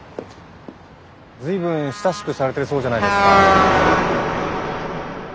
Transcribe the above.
随分親しくされてるそうじゃないですか。